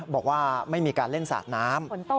บอกว่าไม่มีการเล่นสาดน้ำ